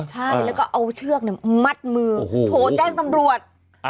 ใช่แล้วก็เอาเชือกมัดมือโทรแจ้งตำรวจ